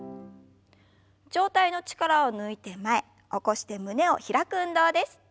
上体の力を抜いて前起こして胸を開く運動です。